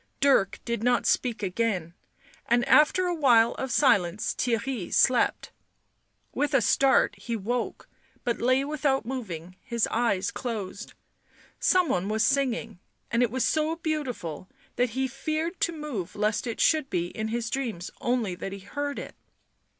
Dirk did not speak again, and after a while of silence Theirry slept. With a start he woke, but lay without moving, his eyes closed ; some one was singing, and it was so beautiful the he feared to move lest it should be in his dreams only that he heard it.